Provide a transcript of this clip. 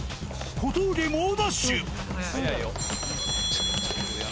小峠、猛ダッシュ。